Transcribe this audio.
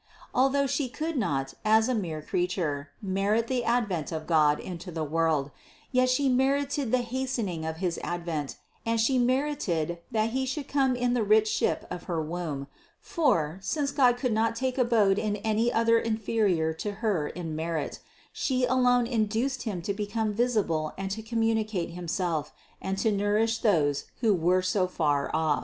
Although She could not, as a mere creature, merit the advent of God into the world, yet She merited the hastening of his advent, and She merited, that He should come in the rich ship of her womb; for, since God could not take abode in any other inferior to Her in merit, She alone induced Him to become visible and to communicate Himself, and to nourish those who were so far off.